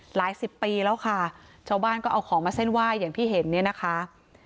หลาย๑๐ปีแล้วค่ะจังหว้ำก็เอาของมาเส้นไห้อย่างที่เห็นเนี้ยนะคะ